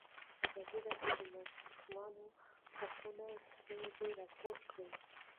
ازادي راډیو د د ماشومانو حقونه ستونزې راپور کړي.